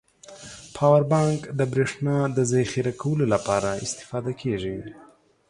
پاور بانک د بريښنا د زخيره کولو لپاره استفاده کیږی.